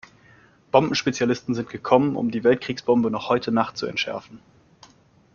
Bombenspezialisten sind gekommen, um die Weltkriegsbombe noch heute Nacht zu entschärfen.